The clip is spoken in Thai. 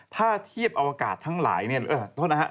ถ้าเทียบอวกาศทั้งหลายเนี่ยโทษนะครับ